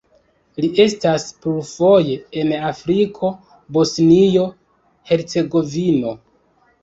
Li estis plurfoje en Afriko, Bosnio-Hercegovino.